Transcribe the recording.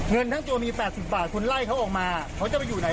เงินทั้งตัวมี๘๐บาทคุณไล่เขาออกมาเขาจะไปอยู่ไหน